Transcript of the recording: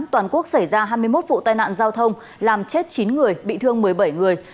toàn quốc xảy ra hai mươi một vụ tai nạn giao thông làm chết chín người bị thương một mươi bảy người